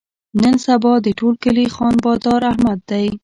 نن سبا د ټول کلي خان بادار احمد دی.